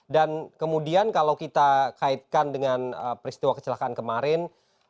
dan kemudian kalau kita kaitkan dengan peristiwa kecelakaan kemarin